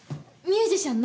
ミュージシャン？